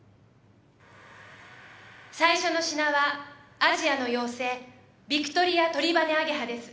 最初の品はアジアの妖精ビクトリアトリバネアゲハです。